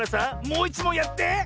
もういちもんやって！